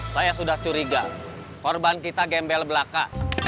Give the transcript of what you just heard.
saya sudah curiga korban kita gembel belaka